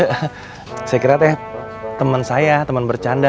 kira kira teman saya teman bercanda